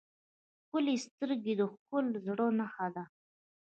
ښکلي سترګې د ښکلي زړه نښه ده.